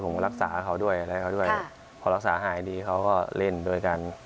ผมรักษาเขาด้วยถูกเราจะรักษาให้ดีเขาก็เล่นด้วยกัน